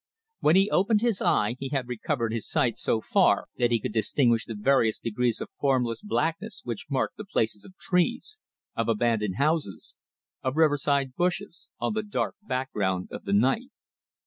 When he opened his eye he had recovered his sight so far, that he could distinguish the various degrees of formless blackness which marked the places of trees, of abandoned houses, of riverside bushes, on the dark background of the night.